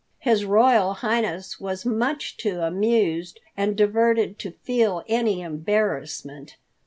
His Royal Highness was too much amused and diverted to feel any embarrassment.